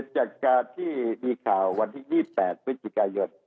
จากที่มีข่าววันที่๒๘วิถีกายอด